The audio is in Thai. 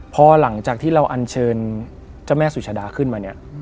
พอหลังจากที่เราอันเชิญเจ้าแม่สุชาดาขึ้นมาเนี่ย